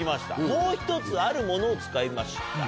もう１つあるものを使いました